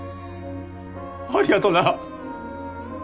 ありがとな！